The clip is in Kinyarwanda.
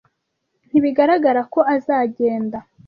Ntibigaragara ko azagenda.